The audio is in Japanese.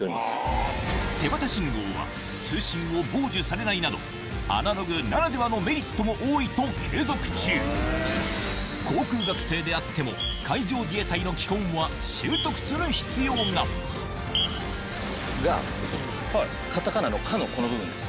あ。などアナログならではのメリットも多いと継続中航空学生であっても海上自衛隊の基本は習得する必要がカタカナの「カ」のこの部分です。